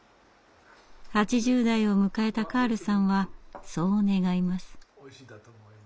８０代を迎えたカールさんはそう願います。